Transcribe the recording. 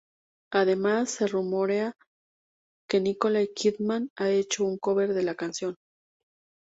Además se rumorea que Nicole Kidman ha hecho un cover de la canción.